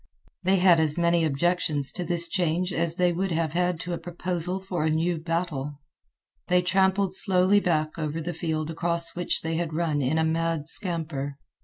They had as many objections to this change as they would have had to a proposal for a new battle. They trampled slowly back over the field across which they had run in a mad scamper.